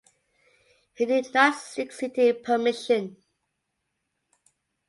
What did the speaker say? He did not seek city permission.